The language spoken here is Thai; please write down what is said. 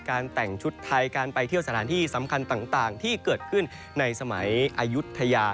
แต่งชุดไทยการไปเที่ยวสถานที่สำคัญต่างที่เกิดขึ้นในสมัยอายุทยา